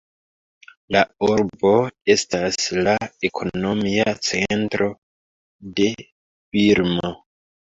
La urbo estas la ekonomia centro de Birmo.